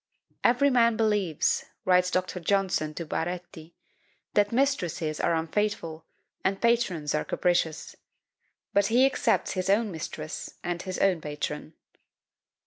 "Every man believes," writes Dr. Johnson to Baretti, "that mistresses are unfaithful, and patrons are capricious. But he excepts his own mistress, and his own patron."